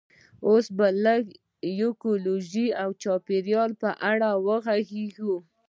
اوس به لږ د ایکولوژي یا چاپیریال په اړه وغږیږو